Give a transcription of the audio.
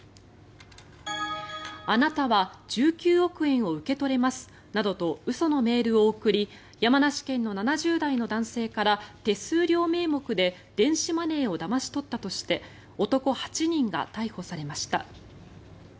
あなたは１９億円を受け取れますなどと嘘のメールを送り山梨県の７０代の男性から手数料名目で電子マネーをだまし取ったとして男８人が逮捕されました。